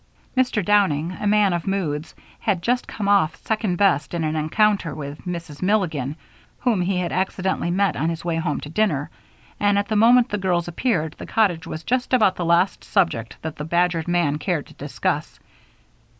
Mr. Downing, a man of moods, had just come off second best in an encounter with Mrs. Milligan, whom he had accidentally met on his way home to dinner, and, at the moment the girls appeared, the cottage was just about the last subject that the badgered man cared to discuss.